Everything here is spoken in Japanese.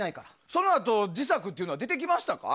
そのあと次作というのは出てきましたか？